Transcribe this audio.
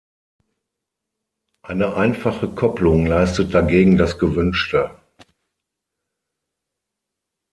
Eine einfache Kopplung leistet dagegen das Gewünschte.